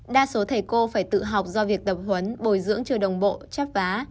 đa số thầy cô phải tự học do việc tập huấn bồi dưỡng chưa đồng bộ chấp vá